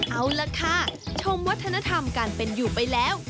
เอาล่ะค่ะชมวัฒนธรรมการเป็นอยู่ไปแล้ว